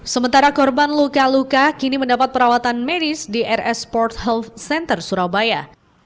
sementara korban luka luka kini mendapat perawatan medis di rsports health center surabaya